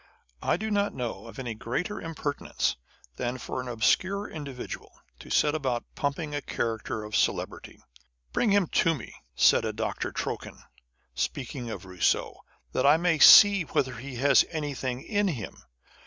I do not know of any greater impertinence than for an obscure individual to set about pumping a character of celebrity. " Bring him to me." said a Doctor Tronchin, speaking of Rousseau, " that I may see whether he has anything in him."